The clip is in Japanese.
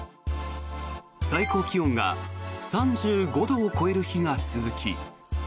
最高気温が３５度を超える日が続き。